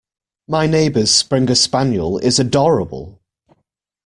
My neighbour’s springer spaniel is adorable